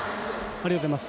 ありがとうございます。